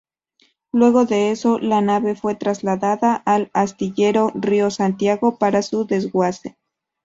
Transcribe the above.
Luego de eso, la nave fue trasladada al Astillero Río Santiago para su desguace.